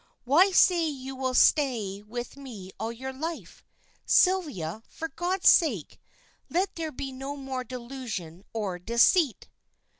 Why say you will stay with me all your life? Sylvia, for God's sake, let there be no more delusion or deceit!"